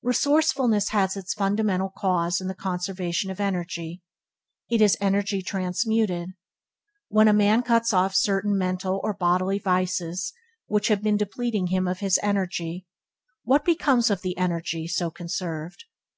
Resourcefulness has its fundamental cause in the conservation of energy. It is energy transmuted. When a man cuts off certain mental or bodily vices which have been depleting him of his energy, what becomes of the energy so conserved?